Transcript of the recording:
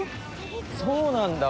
そうなんだ。